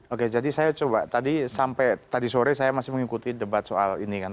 oke jadi saya coba tadi sore saya masih mengikuti debat soal ini